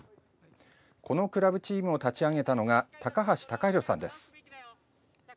このクラブチームを立ち上げたのが高橋崇寛さんです。